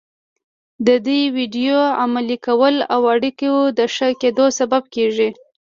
د دې ويډيو عملي کول د اړيکو د ښه کېدو سبب کېږي.